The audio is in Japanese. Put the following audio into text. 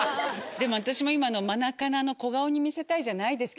でも私も今のマナカナの小顔に見せたいじゃないですけど。